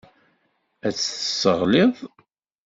Ad tt-tesseɣliḍ.